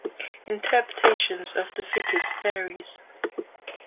Interpretations of the figures varies.